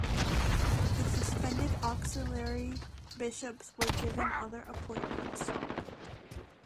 The suspended auxiliary bishops were given other appointments.